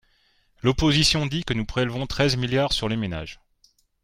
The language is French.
L’opposition dit que nous prélevons treize milliards sur les ménages.